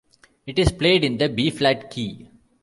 It is played in the B flat key.